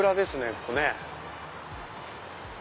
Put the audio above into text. ここね。